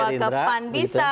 bisa dibawa ke pan bisa